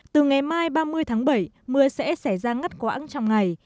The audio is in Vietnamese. từ ngày mai ba mươi tháng bảy mưa sẽ xảy ra ngắt quãng trong ngày